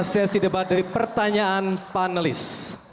sesi debat dari pertanyaan panelis